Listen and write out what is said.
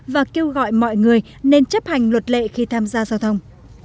và kêu gọi mọi người nên chấp hành luật lệ khi tham gia giao thông